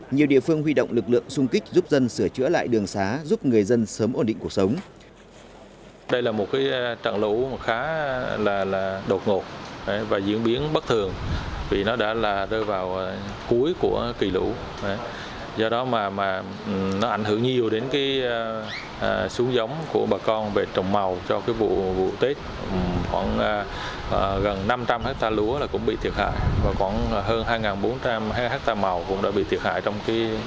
nhiều địa phương huy động lực lượng sung kích giúp dân sửa chữa lại đường xá giúp người dân sớm ổn định cuộc sống